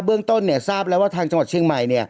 เรื่องต้นทราบแล้วว่าทางจังหวัดเชียงใหม่